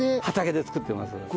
畑で作ってます。